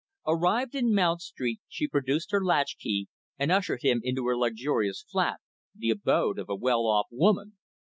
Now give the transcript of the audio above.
Arrived in Mount Street, she produced her latchkey, and ushered him into her luxurious flat, the abode of a well off woman.